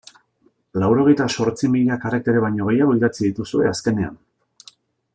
Laurogeita zortzi mila karaktere baino gehiago idatzi dituzue azkenean.